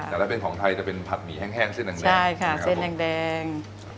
แต่ถ้าเป็นของไทยจะเป็นผัดหมี่แห้งเส้นแดงใช่ค่ะเส้นแดง